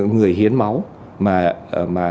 người hiến máu mà